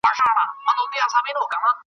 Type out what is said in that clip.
چی را یادي می ساده ورځی زلمۍ سي .